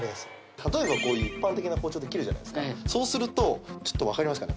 例えばこういう一般的な包丁で切るじゃないですかそうすると分かりますかね